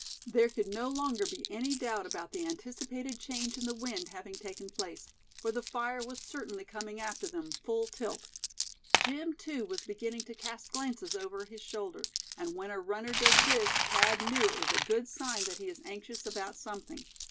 There could no longer be any doubt about the anticipated change in the wind having taken place; for the fire was certainly coming after them, full tilt. Jim, too, was beginning to cast glances over his shoulder; and when a runner does this Thad knew it was a good sign that he is anxious about something.